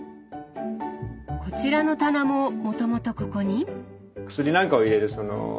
こちらの棚ももともとここに？